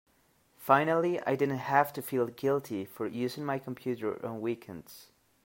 Finally I didn't have to feel guilty for using my computer on weekends.